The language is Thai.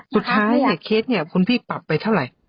สุดท้ายเนี่ยเคสเนี่ยคุณพี่ปรับไปเท่าไหร่